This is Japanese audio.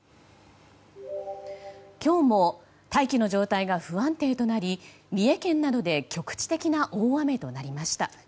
今日も大気の状態が不安定となり三重県などで局地的な大雨となりました。